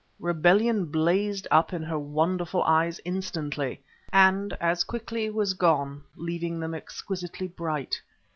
Rebellion blazed up in her wonderful eyes instantly and as quickly was gone, leaving them exquisitely bright.